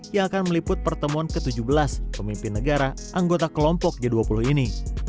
yang akan meliput pertemuan ke tujuh belas pemimpin negara anggota kelompok g dua puluh ini